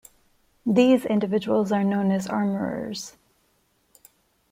These individuals are known as armorers.